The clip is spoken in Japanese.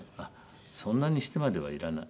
そんなにしてまではいらない。